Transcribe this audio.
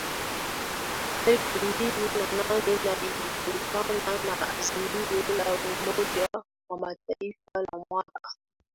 elfu mbili na nane na ilitokana na azimio la Umoja wa Mataifa la mwaka